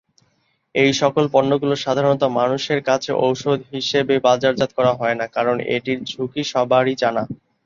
এই সকল পণ্যগুলো সাধারণ মানুষের কাছে ঔষধ হিসেবে বাজারজাত করা হয়না, কারণ এটির ঝুঁকি সবারই জানা।